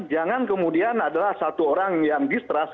jangan kemudian adalah satu orang yang distrust